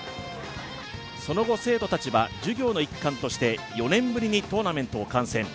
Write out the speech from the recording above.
その後、生徒たちは授業の一環として４年ぶりにトーナメントを観戦。